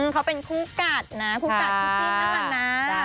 เขาเป็นคู่กัดคู่กัดจีนน่ะล่ะนะ